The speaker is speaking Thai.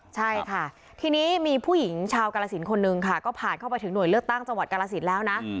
ใช่ค่ะทีนี้มีผู้หญิงชาวกาลสินคนนึงค่ะก็ผ่านเข้าไปถึงหน่วยเลือกตั้งจังหวัดกาลสินแล้วนะ